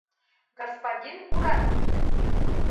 Гаспадин урӓтник!